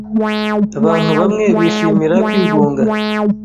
Abantu bamwe bishimira kwigunga.